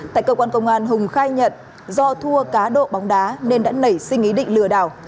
tại cơ quan công an hùng khai nhận do thua cá độ bóng đá nên đã nảy sinh ý định lừa đảo